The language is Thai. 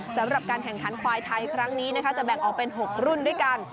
สำหรับการแข่งขันควายไทยครั้งนี้นะคะจะแบ่งออกเป็น๖รุ่นด้วยกัน